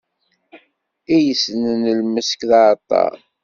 I yessnen lmesk, d aɛeṭṭaṛ.